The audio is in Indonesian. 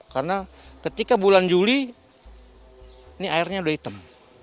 karena ketika bulan juli ini airnya sudah hitam